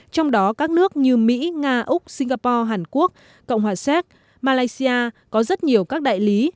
trong đó các nước như mỹ nga úc singapore hàn quốc cộng hòa séc malaysia có rất nhiều các đại lý